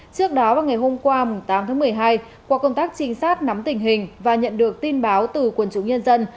trước đó vào ngày hôm qua tám tháng một mươi hai qua công tác trinh sát nắm tình hình và nhận được tin báo từ quần chúng nhân dân